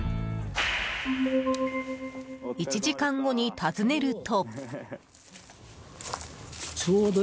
１時間後に訪ねると。